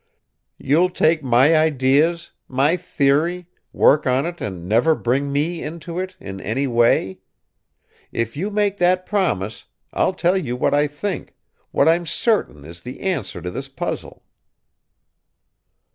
"You'll take my ideas, my theory, work on it and never bring me into it in any way? If you make that promise, I'll tell you what I think, what I'm certain is the answer to this puzzle."